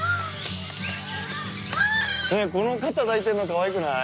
ねえこの肩抱いてるのかわいくない？